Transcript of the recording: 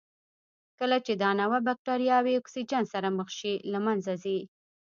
کله چې دا نوعه بکټریاوې اکسیجن سره مخ شي له منځه ځي.